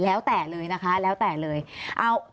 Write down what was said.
แล้วแต่เลยเอ้า